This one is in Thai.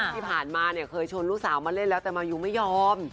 ที่ผ่านมาเนี่ยเคยชวนลูกสาวมาเล่นแล้วแต่มายูไม่ยอม